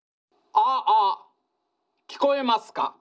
ああ聞こえますか。